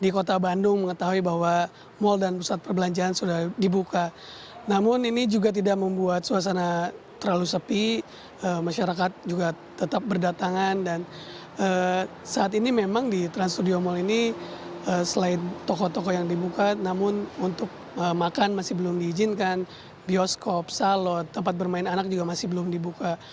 kalau tempat bermain anak juga masih belum dibuka